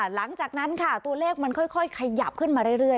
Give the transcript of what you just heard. หลังจากนั้นค่ะตัวเลขมันค่อยขยับขึ้นมาเรื่อย